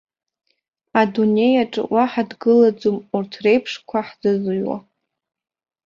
Адунеи аҿы уаҳа дгылаӡом урҭ реиԥшқәа ҳзызыҩуа!